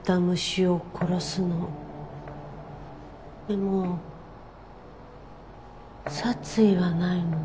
でも殺意はないの。